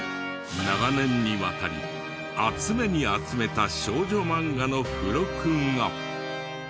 長年にわたり集めに集めた少女漫画の付録が。